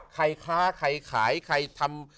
ค้าใครขายใครทำ